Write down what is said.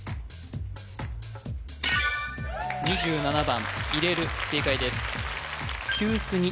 ２７番いれる正解です